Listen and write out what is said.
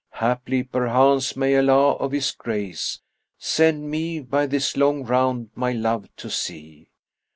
Haply, perchance, may Allah, of His grace, * Send me by this long round my love to see.